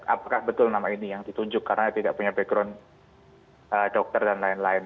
apakah betul nama ini yang ditunjuk karena tidak punya background dokter dan lain lain